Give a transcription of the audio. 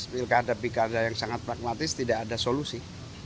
milka ada pikada yang sangat pragmatis tidak ada solusi